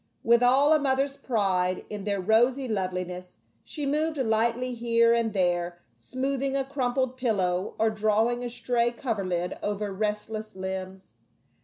With all a mother's pride in their rosy loveliness she moved lightly here and there, smoothing a crumpled pillow, or drawing a stray coverlid over restless limbs.